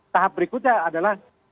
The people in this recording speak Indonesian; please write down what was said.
tahap berikutnya adalah